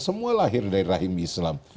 semua lahir dari rahim islam